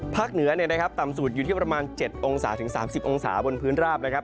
พักเหนือต่ำสูตรอยู่ที่ประมาณ๗๓๐องศาบนพื้นราบนะครับ